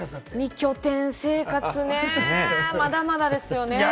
二拠点生活ね、まだまだですよね。